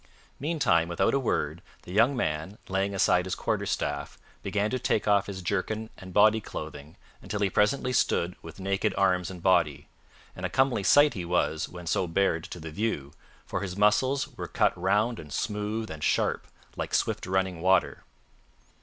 Meantime, without a word, the young man, laying aside his quarterstaff, began to take off his jerkin and body clothing until he presently stood with naked arms and body; and a comely sight he was when so bared to the view, for his muscles were cut round and smooth and sharp like swift running water.